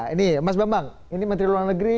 ini mas bambang ini menteri luar negeri